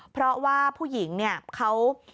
เพราะว่าผู้หญิงเนี่ยเขา